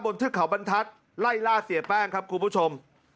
เทือกเขาบรรทัศน์ไล่ล่าเสียแป้งครับคุณผู้ชม